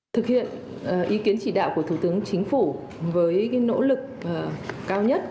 thực hiện ý kiến chỉ đạo của thủ tướng chính phủ với nỗ lực cao nhất